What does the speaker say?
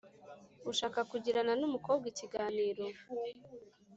ushaka kugirana nu mukobwa ikiganiro